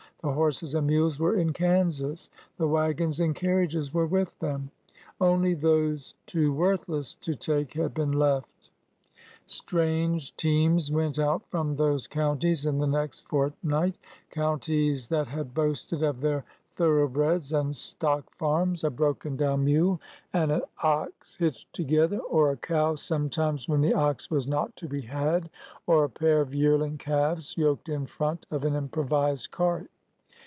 The horses and mules were in Kansas. The wagons and car riages were with them. Only those too worthless to take had been left. Strange teams went out from those counties in the next fortnight,— counties that had boasted of their thorough breds and stock farms, — a broken down mule and an ox hitched together, or a cow sometimes when the ox was not to be had, or a pair of yearling calves yoked in front of an improvised cart.